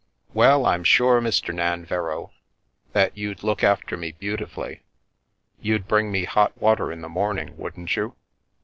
" Well, I'm sure, Mr. Nanverrow, that you'd look after me beautifully. You'd bring me hot water in the morning, wouldn't you